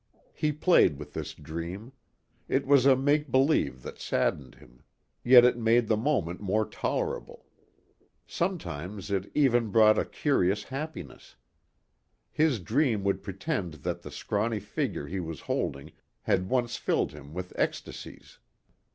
He played with this dream. It was a make believe that saddened him. Yet it made the moment more tolerable. Sometimes it even brought a curious happiness. His dream would pretend that the scrawny figure he was holding had once filled him with ecstasies.